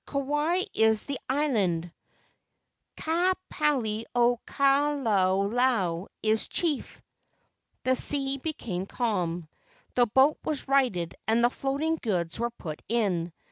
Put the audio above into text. Kauai is the island; Ka pali o ka la lau is chief." The sea became calm. The boat was righted and the floating goods were put in.